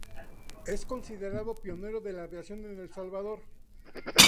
Es considerado pionero de la aviación en El Salvador.